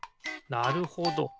なるほど。